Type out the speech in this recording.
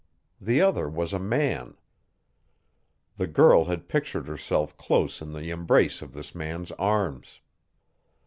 The other was a man. The girl had pictured herself close in the embrace of this man's arms.